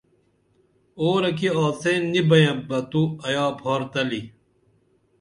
اُورہ کی آڅین نی بئیپ بہ تو ایا پھار تلی